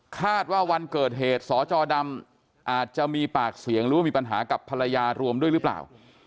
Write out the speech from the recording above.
คาดว่าวันเกิดเหตุสจดำอาจจะมีปากเสียงหรือว่ามีปัญหากับภรรยารวมด้วยหรือเปล่า